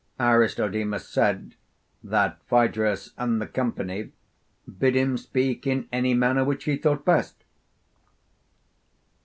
Aristodemus said that Phaedrus and the company bid him speak in any manner which he thought best.